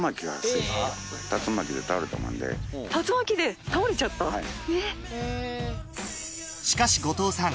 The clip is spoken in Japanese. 竜巻で倒れちゃった⁉しかし後藤さん